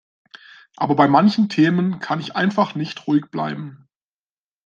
Aber bei manchen Themen kann ich einfach nicht ruhig bleiben.